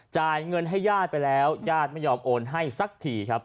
จ่ายเงินให้ญาติไปแล้วญาติไม่ยอมโอนให้สักทีครับ